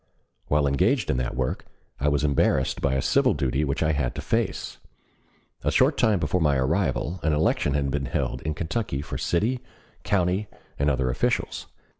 While engaged in that work, I was embarrassed by a civil duty which I had to face. A short time before my arrival an election had been held in Kentucky for city, county, and other officials.